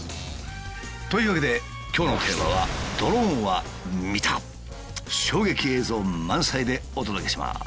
というわけで今日のテーマは衝撃映像満載でお届けします。